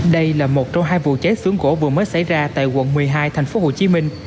đây là một trong hai vụ cháy sưởng gỗ vừa mới xảy ra tại quận một mươi hai thành phố hồ chí minh